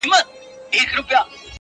دا عجیبه شاني درد دی’ له صیاده تر خیامه’